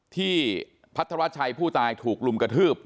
ที่พัฒนาวัชชัยผู้ตายถูกลุมกระทืบ